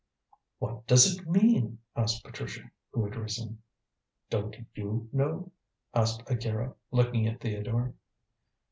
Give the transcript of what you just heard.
"What does it mean?" asked Patricia, who had risen. "Don't you know?" asked Akira, looking at Theodore.